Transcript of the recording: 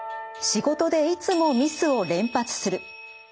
仕事でいつもミスを連発する。